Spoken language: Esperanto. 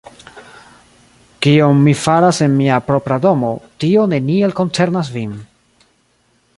Kion mi faras en mia propra domo, tio neniel koncernas vin.